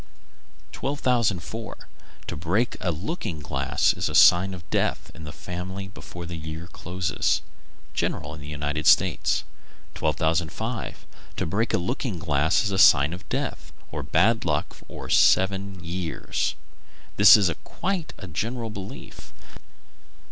_ 1204. To break a looking glass is a sign of death in the family before the year closes. General in the United States. 1205. To break a looking glass is a sign of death, or of bad luck or[TN 11] seven years. This is quite a general belief.